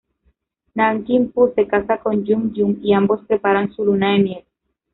Nanki-Poo se casa con Yum-Yum y ambos preparan su luna de miel.